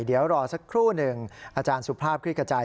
เดี๋ยวรอสักครู่หนึ่งอาจารย์สุภาพคลิกกระจาย